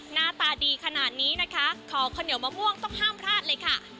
หน้าตาดีขนาดนี้นะคะขอข้าวเหนียวมะม่วงต้องห้ามพลาดเลยค่ะ